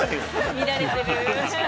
◆見られてる。